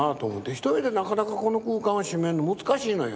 一人でなかなかこの空間を占めるの難しいのよ。